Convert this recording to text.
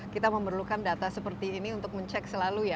kita memerlukan data seperti ini untuk mencek selalu ya